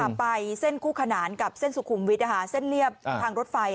ไปเส้นคู่ขนานกับเส้นสุขุมวิทย์เส้นเรียบทางรถไฟ